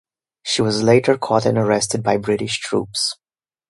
She was later caught and arrested by British troops.